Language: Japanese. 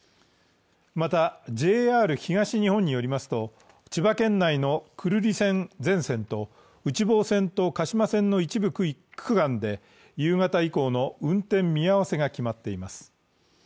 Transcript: また、ＪＲ東日本によりますと、千葉県内の久留里線全線と内房線と鹿島線の一部区間で夕方以降の運転見合わせが決まっています。